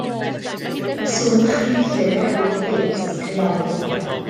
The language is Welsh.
Mae sŵn dychrynllyd gan y motobeics yn sgrialu heibio.